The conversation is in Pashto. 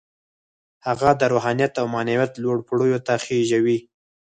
هغه د روحانيت او معنويت لوړو پوړيو ته خېژوي.